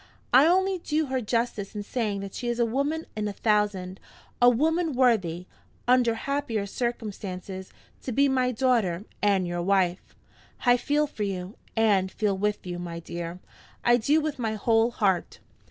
I only do her justice in saying that she is a woman in a thousand a woman worthy, under happier circumstances, to be my daughter and your wife. I feel for you, and feel with you, my dear I do, with my whole heart."